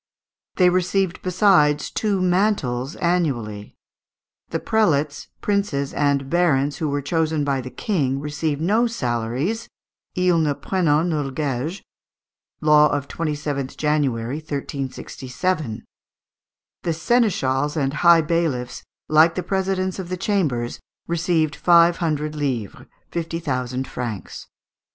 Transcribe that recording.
They received, besides, two mantles annually. The prelates, princes, and barons who were chosen by the King received no salaries ils ne prennent nuls guaiges (law of 27th January, 1367). The seneschals and high bailiffs, like the presidents of the chambers, received five hundred livres fifty thousand francs.